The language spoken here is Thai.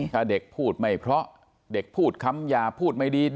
ถ้าเด็กพูดไม่เพราะเด็กพูดคำยาพูดไม่ดี